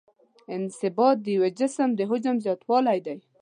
انبساط د یو جسم د حجم زیاتوالی دی.